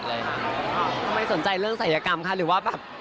ทำไมสนใจเรื่องศัยกรรมคะหรือว่าแบบ